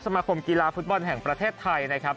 สมาคมกีฬาฟุตบอลแห่งประเทศไทยนะครับ